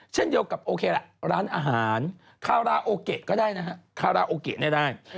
เช่นเดียวกับโอเคละร้านอาหารคาราโอเกะก็ได้นะฮะคาราโอเกะเนี่ยได้